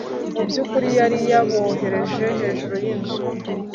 mu by'ukuri yari yabohereje hejuru y'inzu